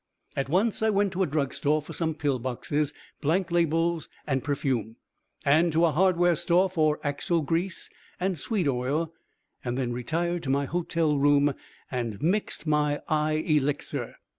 At once I went to a drug store for some pill boxes, blank labels and perfume, and to a hardware store for axle grease and sweet oil; then retired to my hotel room, and mixed my "Eye Elixir."